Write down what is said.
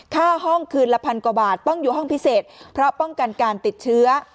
ค่าห้องคืนละพันกว่าบาทต้องอยู่ห้องพิเศษเพราะป้องกันการติดเชื้อ